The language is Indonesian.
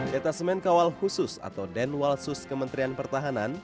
detasemen kawal khusus atau denwalsus kementerian pertahanan